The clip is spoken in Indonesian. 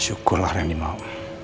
syukurlah yang dimau